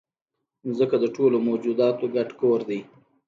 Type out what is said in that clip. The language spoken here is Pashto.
مځکه د ټولو موجوداتو ګډ کور دی.